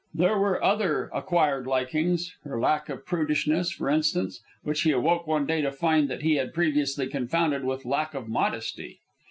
There were other acquired likings, her lack of prudishness, for instance, which he awoke one day to find that he had previously confounded with lack of modesty.